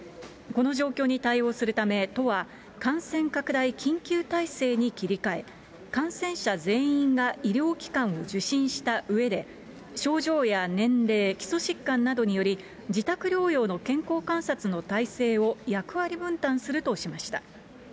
この状況に対応するため、都は感染拡大緊急体制に切り替え、感染者全員が医療機関を受診したうえで、症状や年齢、基礎疾患などにより、自宅療養の健康観察の体制を役割分担するとしました。